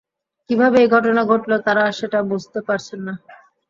কীভাবে এই ঘটনা ঘটল তারা সেটা বুঝতে পারছেন না।